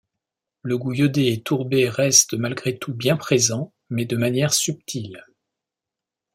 Le goût iodé et tourbé reste malgré tout bien présent mais de manière subtile.